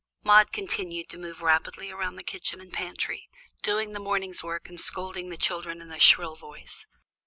Maude continued to move rapidly about the kitchen and pantry, doing the morning's work and scolding the children in a shrill voice.